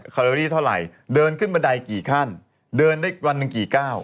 คุณขึ้นบันไดกี่ขั้นเดินได้วันหนึ่งกี่ก้าว